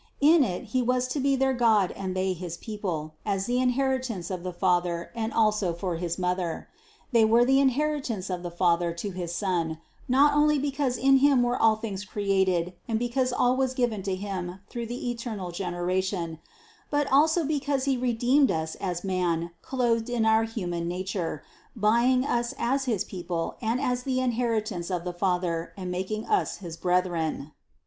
In it He was to be their God and they his people, as the inheritance of the Father and also for his Mother. We were the inheritance of the Father to his Son, not only because in Him were all things created and because all was given to Him through the eternal generation: but also because He redeemed us as man clothed in our human nature, buying us as his people and as the inheritance of the Father and making us his brethren.